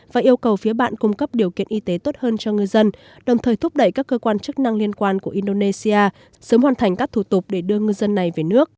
và yêu cầu phía bạn cung cấp điều kiện y tế tốt hơn cho ngư dân đồng thời thúc đẩy các cơ quan chức năng liên quan của indonesia sớm hoàn thành các thủ tục để đưa ngư dân này về nước